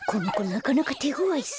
なかなかてごわいぞ。